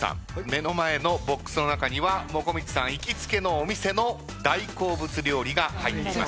目の前のボックスの中にはもこみちさん行きつけのお店の大好物料理が入っています。